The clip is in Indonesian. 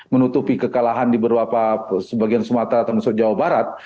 menutupi kekalahan di berbagai bagian sumatera termasuk jawa barat